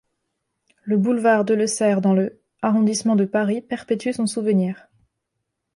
Le boulevard Delessert dans le arrondissement de Paris perpétue son souvenir.